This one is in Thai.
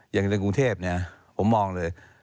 อย่างในกรุงเทพผมมองเลย